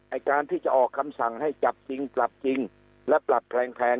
การที่จะออกคำสั่งให้จับจริงปรับจริงและปรับแพง